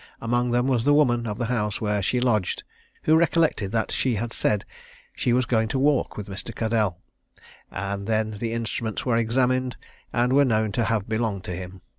Among them was the woman of the house where she lodged, who recollected that she had said she was going to walk with Mr. Caddell; and then the instruments were examined, and were known to have belonged to him.